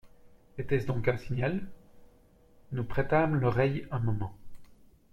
Était-ce donc un signal ? Nous prêtâmes l'oreille un moment.